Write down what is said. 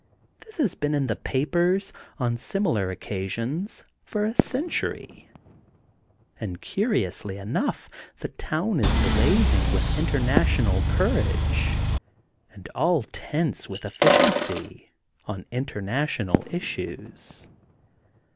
This has been in the papers, on similar occasions, for a century. And curi ously enough, the town is blazing with inter national courage and all tense with efficiency on international issues.